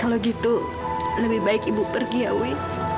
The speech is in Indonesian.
kalau gitu lebih baik ibu pergi ya wi